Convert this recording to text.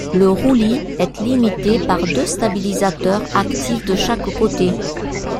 Le roulis est limité par deux stabilisateurs actifs de chaque côté.